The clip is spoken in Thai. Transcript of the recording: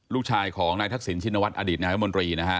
ลูกชายของนายทักษิณชินวัฒนอดีตนายรัฐมนตรีนะฮะ